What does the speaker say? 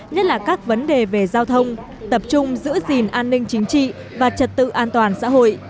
nhất là các vấn đề về giao thông tập trung giữ gìn an ninh chính trị và trật tự an toàn xã hội